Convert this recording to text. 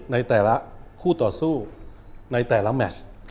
ในแต่ละคู่ต่อสู้ในแต่ละแมช